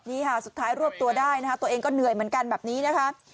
นี่ค่ะสุดท้ายรวบตัวได้นะคะตัวเองก็เหนื่อยเหมือนกันแบบนี้นะคะ